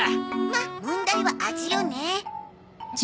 まあ問題は味よね。